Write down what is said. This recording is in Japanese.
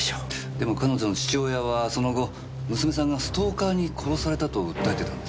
でも彼女の父親はその後娘さんがストーカーに殺されたと訴えてたんですよね？